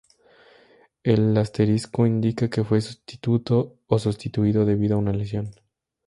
El asterisco indica que fue sustituto o sustituido debido a una lesión.